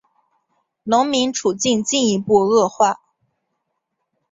农民处境进一步恶化。